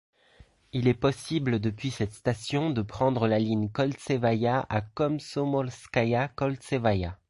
Il est possible depuis cette station de prendre la ligne Koltsevaïa à Komsomolskaïa-Koltsevaïa.